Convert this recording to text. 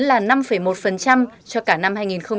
là năm một cho cả năm